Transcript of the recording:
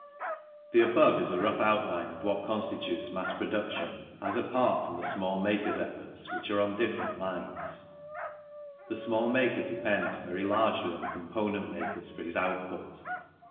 The above is a rough outline of what constitutes mass production, as apart from the small makers' efforts, which are on different lines. The small maker depends very largely on components makers for his output.